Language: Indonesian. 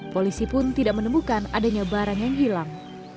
polisi pun tidak menemukan adanya barang yang hilang